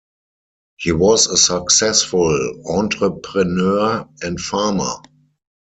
He was a successful entrepreneur and farmer.